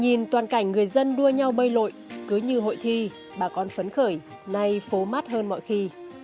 nhìn toàn cảnh người dân đua nhau bơi lội cứ như hội thi bà con phấn khởi nay phố mát hơn mọi khi